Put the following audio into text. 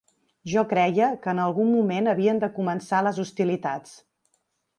Jo creia que en algun moment havien de començar les hostilitats.